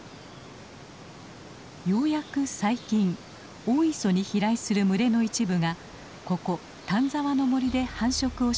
ようやく最近大磯に飛来する群れの一部がここ丹沢の森で繁殖をしていることが分かりました。